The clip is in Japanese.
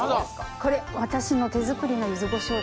これ私の手作りの柚子胡椒です。